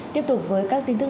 tiếp tục với các tin tức